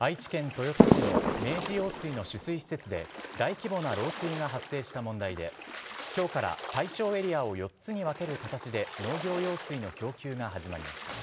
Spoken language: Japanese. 愛知県豊田市の明治用水の取水施設で大規模な漏水が発生した問題で、きょうから対象エリアを４つに分ける形で農業用水の供給が始まりました。